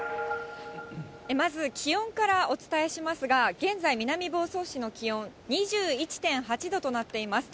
まず気温からお伝えしますが、現在、南房総市の気温、２１．８度となっています。